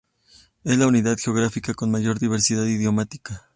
Es la unidad geográfica con mayor diversidad idiomática.